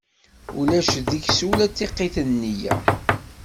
Ulac deg-s ula d tiqit n neyya.